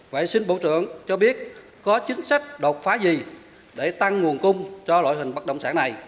vậy xin bộ trưởng cho biết có chính sách đột phá gì để tăng nguồn cung cho loại hình bất động sản này